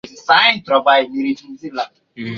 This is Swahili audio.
Kutibu wanyama magonjwa ya kitabibu